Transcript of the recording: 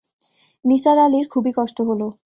নিসার আলির খুবই কষ্ট হল।